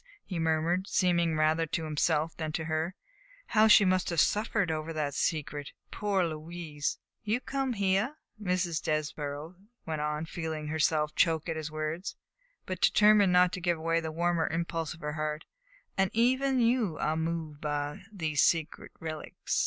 he murmured, seemingly rather to himself than to her; "how she must have suffered over that secret. Poor Louise!" "You come here," Mrs. Desborough went on, feeling herself choke at his words, but determined not to give way to the warmer impulse of her heart, "and even you are moved by these sacred relics.